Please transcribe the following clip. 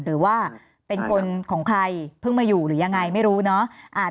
หรือว่าเป็นคนของใครเพิ่งมาอยู่หรือยังไงไม่รู้เนาะ